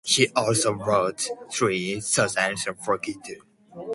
He also wrote three Sonatas for guitar.